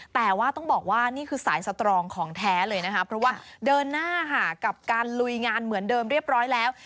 แต่ว่าต้องบอกว่านี่คือสายสตรองของแท้เลยนะคะเพราะว่าเดินหน้าค่ะกับการลุยงานเหมือนเดิมเรียบร้อยแล้ว